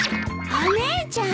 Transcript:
お姉ちゃん！